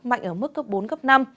mạnh ở mức cấp bốn cấp năm